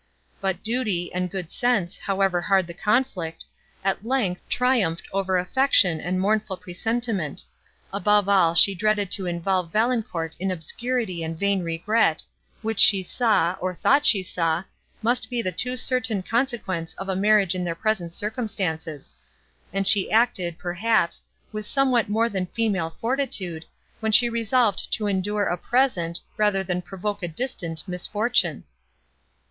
But duty, and good sense, however hard the conflict, at length, triumphed over affection and mournful presentiment; above all, she dreaded to involve Valancourt in obscurity and vain regret, which she saw, or thought she saw, must be the too certain consequence of a marriage in their present circumstances; and she acted, perhaps, with somewhat more than female fortitude, when she resolved to endure a present, rather than provoke a distant misfortune.